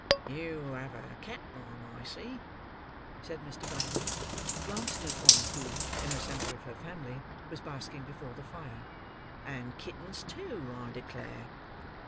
"You have a cat, ma'am, I see," said Mr. Bumble, glancing at one who, in the centre of her family, was basking before the fire; "and kittens too, I declare!"